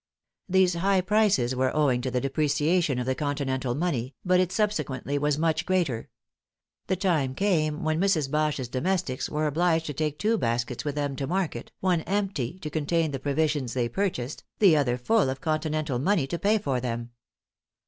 These high prices were owing to the depreciation of the continental money, but it subsequently was much greater. The time came when Mrs. Bache's domestics were obliged to take two baskets with them to market, one empty to contain the provisions they purchased, the other full of continental money to pay for them.